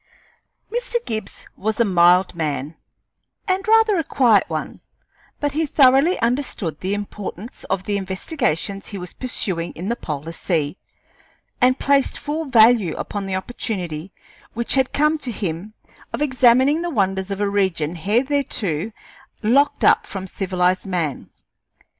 Mr. Gibbs was a mild man, and rather a quiet one; but he thoroughly understood the importance of the investigations he was pursuing in the polar sea, and placed full value upon the opportunity which had come to him of examining the wonders of a region hitherto locked up from civilized man.